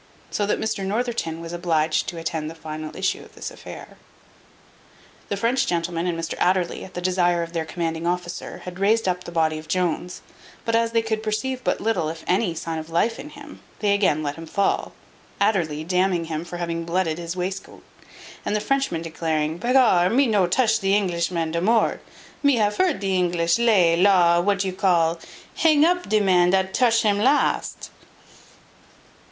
So that Mr Northerton was obliged to attend the final issue of this affair. The French gentleman and Mr Adderly, at the desire of their commanding officer, had raised up the body of Jones, but as they could perceive but little (if any) sign of life in him, they again let him fall, Adderly damning him for having blooded his wastecoat; and the Frenchman declaring, "Begar, me no tush the Engliseman de mort: me have heard de Englise ley, law, what you call, hang up de man dat tush him last."